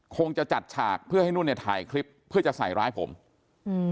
คงจะจัดฉากเพื่อให้นุ่นเนี้ยถ่ายคลิปเพื่อจะใส่ร้ายผมอืม